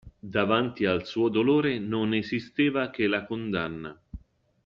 Davanti al suo dolore non esisteva che la condanna.